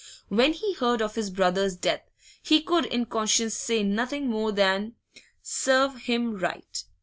When he heard of his brother's death, he could in conscience say nothing more than 'Serve him right!